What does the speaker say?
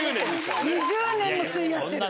２０年も費やしてる。